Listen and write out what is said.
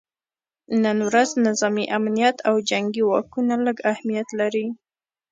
نن ورځ نظامي امنیت او جنګي واکونه لږ اهمیت لري